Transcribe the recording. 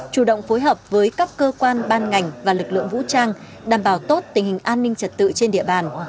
chủ động phối hợp với các cơ quan ban ngành và lực lượng vũ trang đảm bảo tốt tình hình an ninh trật tự trên địa bàn